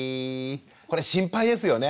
これ心配ですよね。